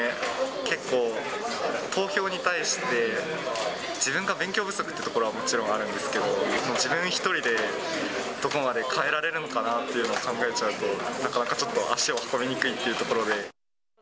結構、投票に対して自分が勉強不足ってところはもちろんあるんですけど、自分一人で、どこまで変えられるのかなっていうのを考えちゃうと、なかなかちょっと足を運びにくいというところで。